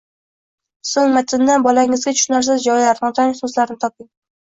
So‘ng matndan bolangizga tushunarsiz joylar, notanish so‘zlarni toping